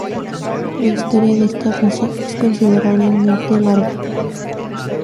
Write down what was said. La historia de esta raza es considerablemente larga.